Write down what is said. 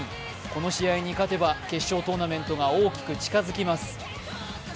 この試合に勝てば決勝トーナメントが大きく近づきます。